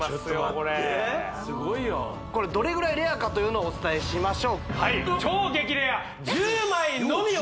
これこれどれぐらいレアかというのをお伝えしましょうえっ！？